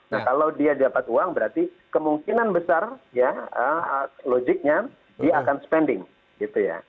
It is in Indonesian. nah kalau dia dapat uang berarti kemungkinan besar ya logiknya dia akan spending gitu ya